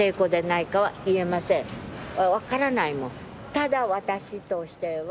ただ私としては。